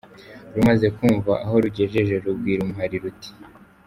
Rumaze kumva aho rugejeje, rubwira umuhari ruti “